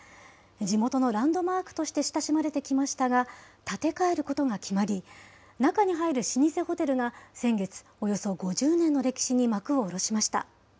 地元のランドマークとして親しまれてきましたが、建て替えることが決まり、中に入る老舗ホテルが先月、およそ５０年の歴史に幕を下ろしました。